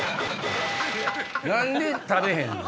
何で食べへんの？